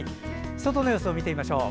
外の様子を見てみましょう。